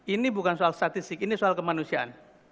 ini bukan soal statistik ini soal kemanusiaan